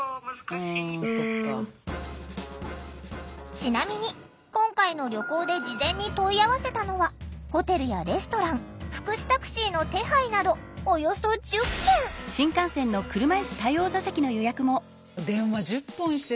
ちなみに今回の旅行で事前に問い合わせたのはホテルやレストラン福祉タクシーの手配など電話１０本してさ分かんないよ